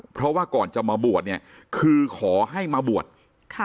เพราะว่าก่อนจะมาบวชเนี่ยคือขอให้มาบวชค่ะ